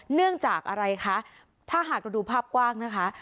เนื่องจากอะไรคะถ้าหากเราดูภาพกว้างนะคะ